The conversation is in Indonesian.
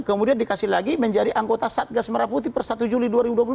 kemudian dikasih lagi menjadi anggota satgas merah putih per satu juli dua ribu dua puluh dua